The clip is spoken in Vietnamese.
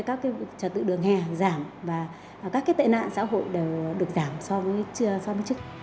các trật tự đường hè giảm và các tệ nạn xã hội đều được giảm so với trước